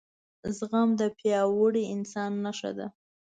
زغم دپیاوړي انسان نښه ده